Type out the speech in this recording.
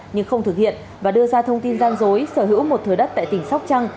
nhưng không thực hiện và đưa ra thông tin gian dối sở hữu một thừa đất tại tỉnh sóc trăng